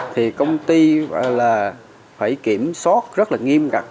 thì công ty phải kiểm soát rất nghiêm ngặt